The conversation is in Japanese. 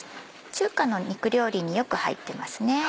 中華の肉料理によく入ってますね。